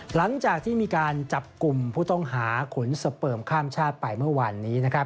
หลังจากที่มีการจับกลุ่มผู้ต้องหาขนสเปิมข้ามชาติไปเมื่อวานนี้